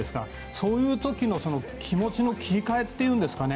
そういうときの気持ちの切り替えっていうんですかね